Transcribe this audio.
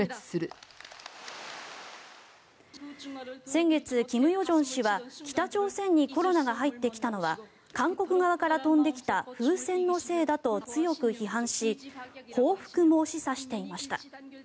先月、金与正氏は北朝鮮にコロナが入ってきたのは韓国側から飛んできた風船のせいだと強く批判し報復も示唆していました。